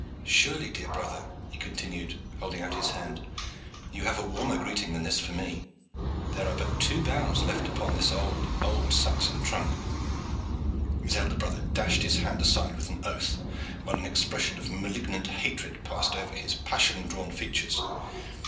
Surely, dear brother," he continued, holding out his hand, "you have a warmer greeting than this for me. There are but two boughs left upon this old, old Saxon trunk." His elder brother dashed his hand aside with an oath, while an expression of malignant hatred passed over his passion drawn features.